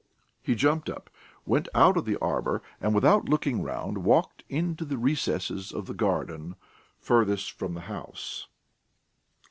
He jumped up, went out of the arbour, and, without looking round, walked into the recesses of the garden furthest from the house.